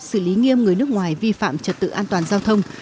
xử lý nghiêm người nước ngoài vi phạm trật tự an toàn giao thông